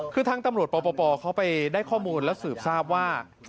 คือทางตำรวจปปเขาไปได้ข้อมูลและสืบทราบว่า